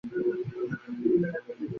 তিনি একজন ভালো মানুষ ছিলেন।